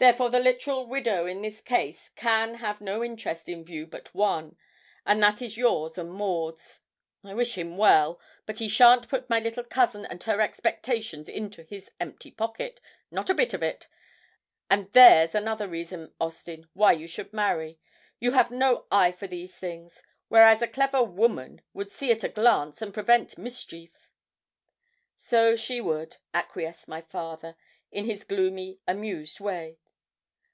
'Therefore the literal widow in this case can have no interest in view but one, and that is yours and Maud's. I wish him well, but he shan't put my little cousin and her expectations into his empty pocket not a bit of it. And there's another reason, Austin, why you should marry you have no eye for these things, whereas a clever woman would see at a glance and prevent mischief.' 'So she would,' acquiesced my father, in his gloomy, amused way.